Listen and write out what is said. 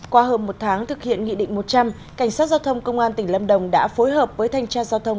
qua hơn một tháng thực hiện nghị định một trăm linh cảnh sát giao thông công an tỉnh lâm đồng đã phối hợp với thanh tra giao thông